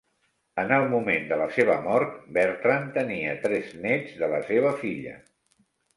En el moment de la seva mort, Bertrand tenia tres nets de la seva filla.